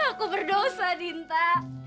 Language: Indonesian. aku berdosa dinda